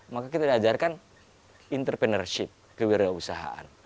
maka kita diajarkan entrepreneurship kewirausahaan